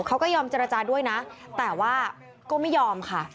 เขาก็ยอมเจรจาด้วยนะแต่ว่าก็ไม่ยอมค่ะ